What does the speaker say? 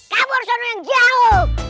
hei kabur ke sana yang jauh